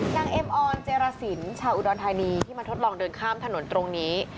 เอ็มออนเจรสินชาวอุดรธานีที่มาทดลองเดินข้ามถนนตรงนี้